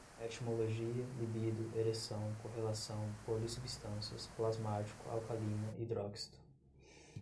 etimologia, libido, ereção, correlação, polissubstâncias, plasmático, alcalina, hidróxido